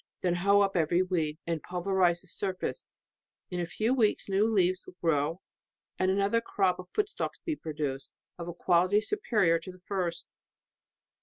Then hoe up every weed, and pulverize the surface. In a few weeks, new leaves will grow, and another crop of foot stalks be produced, of a quality superior to the first.